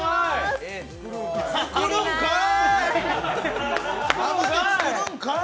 作るんかーい。